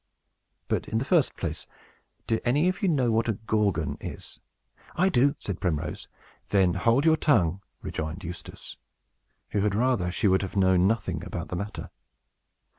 But, in the first place, do any of you know what a Gorgon is?" "I do," said Primrose. "Then hold your tongue!" rejoined Eustace, who had rather she would have known nothing about the matter.